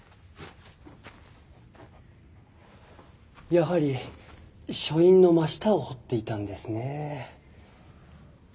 やはり書院の真下を掘っていたんですねえ。